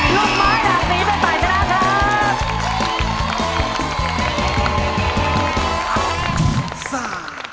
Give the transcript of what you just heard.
รุ่นไม้หนักนี้เป็นฝ่ายชนะครับ